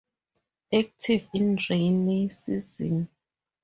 Active in rainy season.